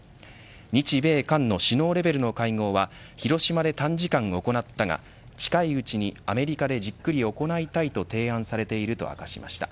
日米韓の首脳レベルの会合は広島で短時間行ったが近いうちにアメリカでじっくり行いたいと提案されていると明かしました。